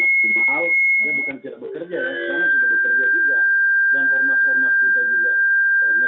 bukan tidak bekerja sekarang sudah bekerja juga